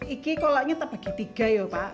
iki kolaknya terbagi tiga ya pak